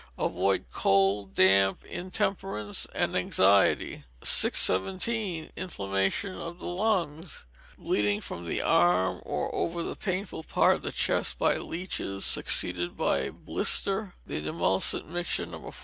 Avoid cold, damp, intemperance, and anxiety. 617. Inflammation of the Lungs. Bleeding from the arm or over the painful part of the chest by leeches, succeeded by a blister; the demulcent mixture, No.